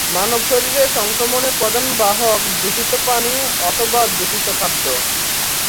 মানব শরীরে সংক্রমণের প্রধান বাহক দূষিত পানি অথবা দূষিত খাদ্য।